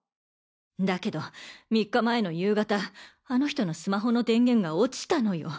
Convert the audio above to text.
だけど３日前の夕方あの人のスマホの電源が落ちたのよ。